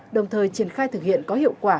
đồng thời triển khai thực hiện có hiệu quả